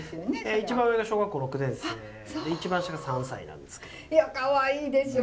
一番上が小学校６年生で一番下が３歳なんですけど。いやかわいいでしょ！